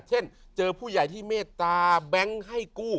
เช่นเจอผู้ใหญ่ที่เมตตาแบงค์ให้กู้